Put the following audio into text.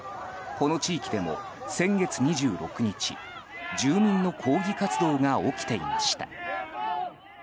この地域でも、先月２６日住民の抗議活動が起きていました。